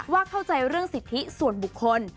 เข้าใจเรื่องสิทธิส่วนบุคคล